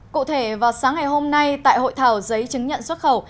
cụ thể vào sáng ngày hôm nay tại hội thảo giấy chứng nhận xuất khẩu